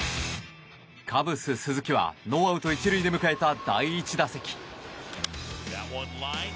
カブス、鈴木はノーアウト１塁で迎えた第１打席。